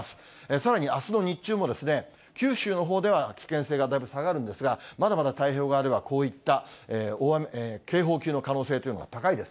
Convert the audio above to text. さらにあすの日中も九州のほうでは危険性がだいぶ下がるんですが、まだまだ太平洋側ではこういった警報級の可能性というのが高いです。